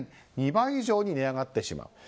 ２倍以上に値上がってしまう。